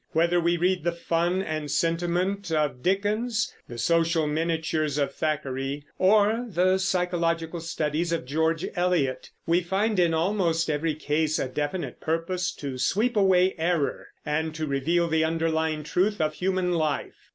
Whether we read the fun and sentiment of Dickens, the social miniatures of Thackeray, or the psychological studies of George Eliot, we find in almost every case a definite purpose to sweep away error and to reveal the underlying truth of human life.